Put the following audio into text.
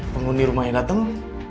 penghuni rumahnya dateng